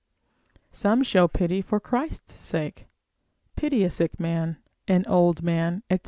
Show some pity for Christ's sake, pity a sick man, an old man, &c.